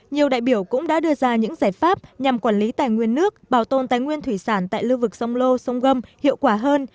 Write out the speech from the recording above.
nhiều đại biểu cũng đã đưa ra những giải pháp nhằm quản lý tài nguyên nước bảo tồn tài nguyên thủy sản tại lưu vực sông lô sông gâm hiệu quả hơn